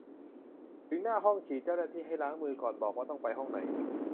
ถึงหน้าห้องฉีด เจ้าหน้าที่ให้ล้างมือ ก่อนบอกว่าต้องไปห้องไหน